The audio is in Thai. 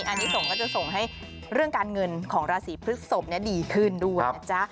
อันนี้ส่งก็จะส่งให้เรื่องการเงินของราศีพฤศพดีขึ้นด้วยนะจ๊ะ